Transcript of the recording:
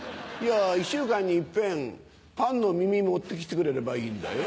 １週間にいっぺんパンの耳持って来てくれればいいんだよ。